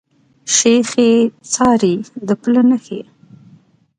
شيخ ئې څاري د پله نخښي